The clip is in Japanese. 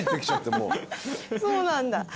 そうなんだ。